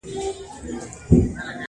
جنازې دي چي ډېرېږي د خوارانو-